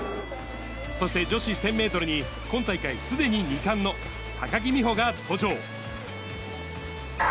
そして女子１０００メートルに、今大会すでに２冠の高木美帆が登場。